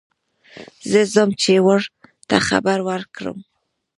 زه ځم چې ور ته خبر ور کړم.